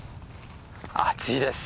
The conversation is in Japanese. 暑いです。